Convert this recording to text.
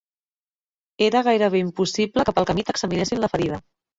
Era gairebé impossible que pel camí t'examinessin la ferida